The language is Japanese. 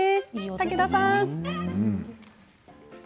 武田さん。